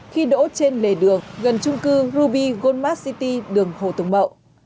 khi đỗ trên lề đường gần trung cư ruby goldmart city đường hồ tùng mậu